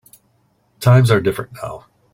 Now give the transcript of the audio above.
Times are different now.